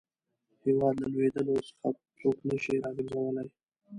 هیواد له لوېدلو څخه څوک نه شي را ګرځولای.